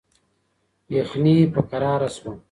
یخني په کراره شوه.